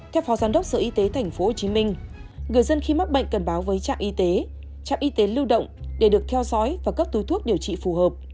theo phó giám đốc sở y tế tp hcm người dân khi mắc bệnh cần báo với trạm y tế trạm y tế lưu động để được theo dõi và cấp túi thuốc điều trị phù hợp